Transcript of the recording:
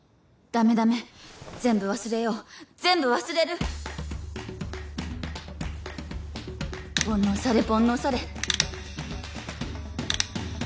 ダメダメ全部忘れよう全部忘れる煩悩去れ煩悩去れ